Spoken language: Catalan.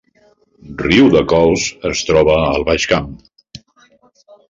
Riudecols es troba al Baix Camp